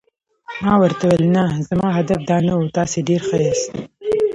ما ورته وویل: نه، زما هدف دا نه و، تاسي ډېر ښه یاست.